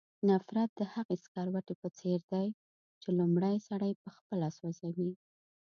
نفرت د هغې سکروټې په څېر دی چې لومړی سړی پخپله سوځوي.